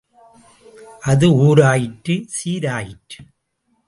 அது ஊராயிற்று, சீராயிற்று.